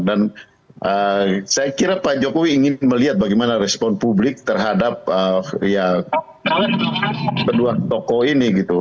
dan saya kira pak jokowi ingin melihat bagaimana respon publik terhadap ya kedua toko ini gitu